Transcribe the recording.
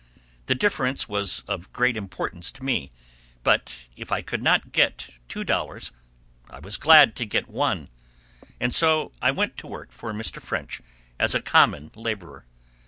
The difference was of great importance to me, but if I could not get two dollars, I was glad to get one; and so I went to work for Mr. French as a common laborer.